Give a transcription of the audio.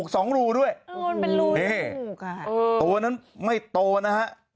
ตัวนั้นไม่โตนะฮะ